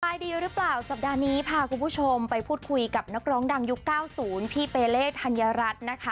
ดีหรือเปล่าสัปดาห์นี้พาคุณผู้ชมไปพูดคุยกับนักร้องดังยุค๙๐พี่เปเลธัญรัฐนะคะ